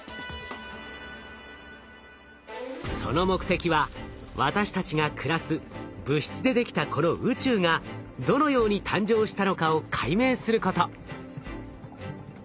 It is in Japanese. その目的は私たちが暮らす物質でできたこの宇宙がどのように誕生したのかを解明すること。